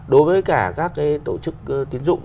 đối với cả các cái tổ chức tiến dụng